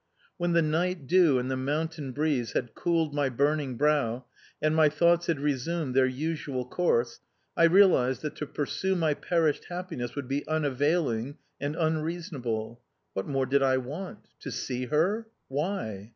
When the night dew and the mountain breeze had cooled my burning brow, and my thoughts had resumed their usual course, I realized that to pursue my perished happiness would be unavailing and unreasonable. What more did I want? To see her? Why?